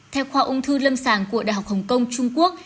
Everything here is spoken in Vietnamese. theo khoa ung thư lâm sàng của đại học hồng kông trung quốc